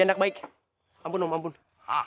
fundraiser gw udah setosnya